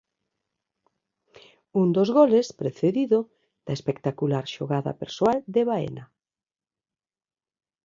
Un dos goles precedido da espectacular xogada persoal de Baena.